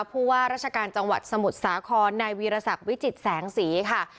ผู้ว่าราชการจังหวัดสมุทรสาครนายวีรศักดิ์วิจิตแสงสีค่ะ